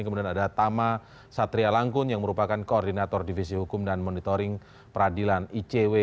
kemudian ada tama satria langkun yang merupakan koordinator divisi hukum dan monitoring peradilan icw